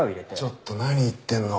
ちょっと何言ってんのか。